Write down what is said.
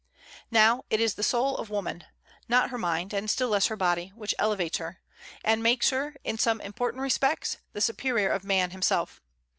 Now, it is the soul of woman not her mind, and still less her body which elevates her, and makes her, in some important respects, the superior of man himself.